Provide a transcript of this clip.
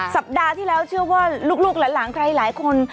สัปดาห์ที่แล้วเชื่อว่าลูกหลานใครหลายคน